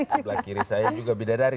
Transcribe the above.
sebelah kiri saya juga bidadari